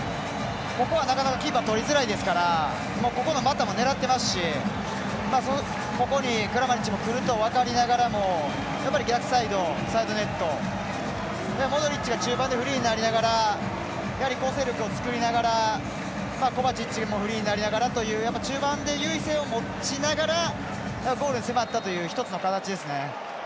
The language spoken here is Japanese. ここは、なかなかキーパーとりづらいですからここの股も狙ってますしここにクラマリッチも来ると分かりながらも逆サイドネットモドリッチが中盤でフリーになりながらやはり構成力を作りながらコバチッチもフリーになりながらという中盤で優位性を持ちながらゴールに迫ったという一つの形ですね。